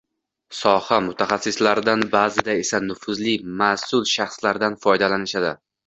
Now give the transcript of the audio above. soha «mutaxassis»laridan, ba’zida esa nufuzli mas’ul shaxslardan foydalanishadi